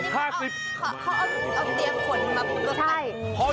เขาเอาเตียงขนมาปรุงกัน